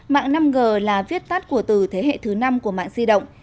mạng năm g là viết tắt của từ thế hệ thứ năm của mạng di động